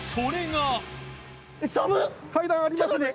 階段ありますので。